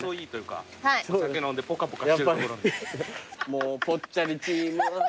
もうぽっちゃりチームは。